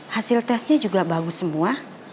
hasil tesnya juga bagus semua